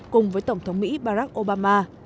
cùng với tổng thống mỹ barack obama